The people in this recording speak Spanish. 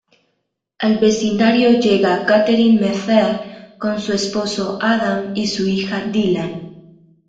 Al vecindario llega Katherine Mayfair, con su esposo Adam y su hija Dylan.